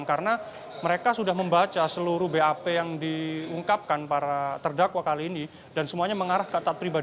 karena mereka sudah membaca seluruh bap yang diungkapkan para terdakwa kali ini dan semuanya mengarah ke taat pribadi